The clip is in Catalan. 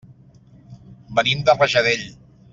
Venim de Rajadell.